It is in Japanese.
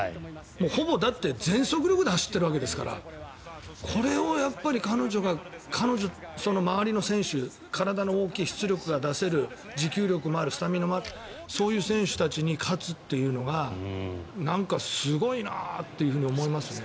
ほぼ全速力で走ってるわけですから周りの選手体の大きい、出力が出せる持久力もある、スタミナもあるそういう選手たちに勝つというのがなんかすごいなって思いますね。